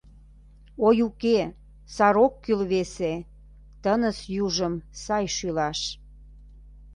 Ой, уке, сар ок кӱл весе — Тыныс южым сай шӱлаш.